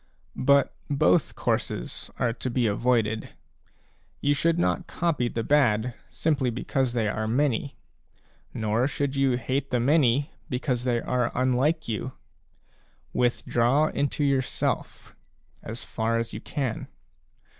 But both courses are to be avoided ; you should not copy the bad, simply because they are many, nor should you hate the many, because they are unlike you. Withdraw into yourself, as far as you can.